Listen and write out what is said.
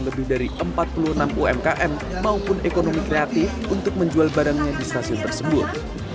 lebih dari empat puluh enam umkm maupun ekonomi kreatif untuk menjual barangnya di stasiun tersebut